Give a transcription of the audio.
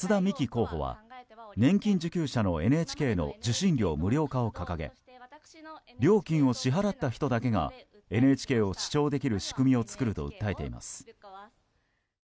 候補は年金受給者のＮＨＫの受信料無料化を掲げ料金を支払った人だけがＮＨＫを視聴できる仕組みを作ると訴えています。